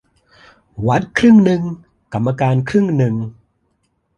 วัดครึ่งหนึ่งกรรมการครึ่งหนึ่ง